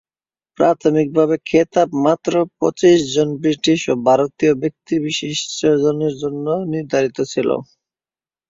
প্রাথমিকভাবে খেতাব মাত্র পঁচিশজন ব্রিটিশ ও ভারতীয় বিশিষ্ট ব্যক্তির জন্য নির্ধারিত ছিলো।